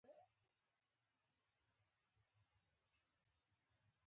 واردات باید کم شي